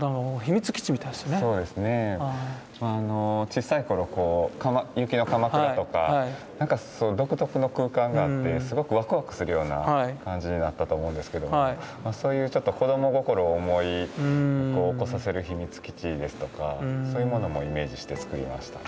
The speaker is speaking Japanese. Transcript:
小さい頃雪のかまくらとか独特の空間があってすごくワクワクするような感じになったと思うんですけどそういうちょっと子供心を思い起こさせる秘密基地ですとかそういうものもイメージして作りました。